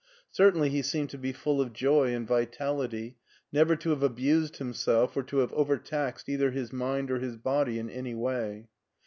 Certainly he seemed to be full of joy and vitality, never to have abused himself or to have overtaxed either his mind or his body in any way.